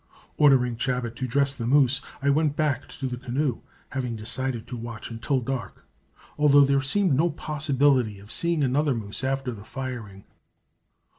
Ordering Chabot to dress the moose, I went back to the canoe, having decided to watch until dark, although there seemed no possibility of seeing another moose after the firing.